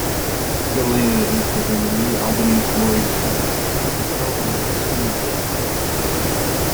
Galena is within the New Albany-Floyd County Consolidated School Corporation.